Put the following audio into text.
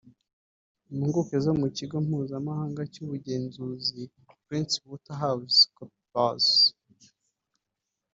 Impuguke zo mu Kigo mpuzamahanga cy’ubugenzuzi PrinceWaterhouseCoopers (PwC)